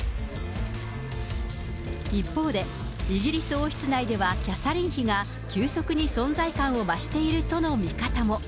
一方で、イギリス王室内ではキャサリン妃が、急速に存在感を増しているとの見方も。